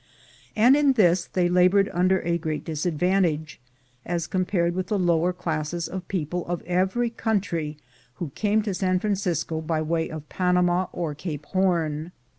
And in this they labored under a great disadvantage, as compared with the lower classes of people of every country who came to San Francisco by way of Panama or Cape Horn.